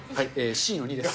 Ｃの２です。